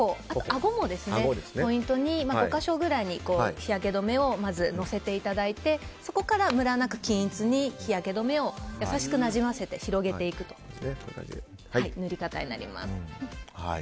あごもポイントに５か所ぐらいに日焼け止めをまず、のせていただいてそこからムラなく均一に日焼け止めを優しくなじませて広げていく塗り方になります。